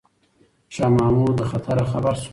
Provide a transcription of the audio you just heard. شاه محمود له خطره خبر شو.